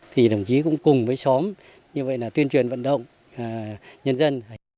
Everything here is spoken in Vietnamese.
thì đồng chí cũng cùng với xóm như vậy là tuyên truyền vận động nhân dân